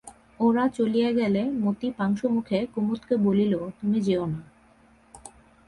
ওরা চলিয়া গেলে মতি পাংশুমুখে কুমুদকে বলিল, তুমি যেও না।